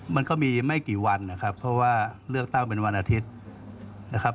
มันก็มีไม่กี่วันนะครับเพราะว่าเลือกตั้งเป็นวันอาทิตย์นะครับ